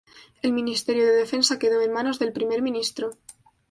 El ministerio de Defensa quedó en manos del primer ministro.